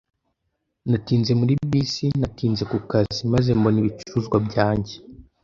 Natinze muri bisi, natinze ku kazi, maze mbona ibicuruzwa byanjye.